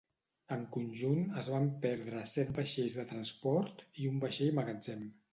En conjunt, es van perdre set vaixells de transport i un vaixell magatzem.